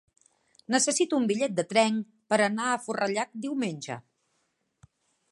Necessito un bitllet de tren per anar a Forallac diumenge.